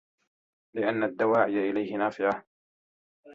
لِأَنَّ الدَّوَاعِيَ إلَيْهِ نَافِعَةٌ